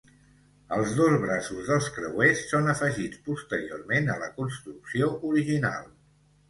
Els dos braços dels creuers són afegits posteriorment a la construcció original.